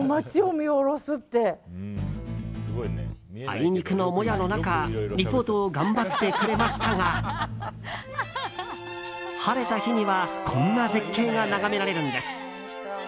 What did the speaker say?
あいにくのもやの中リポートを頑張ってくれましたが晴れた日にはこんな絶景が眺められるんです。